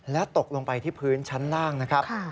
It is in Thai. และตกลงไปที่พื้นชั้นล่างนะครับ